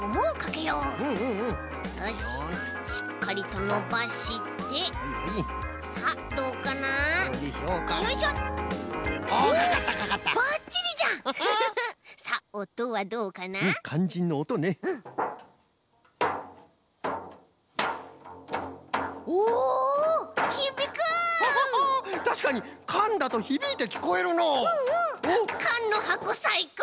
かんのはこさいこう！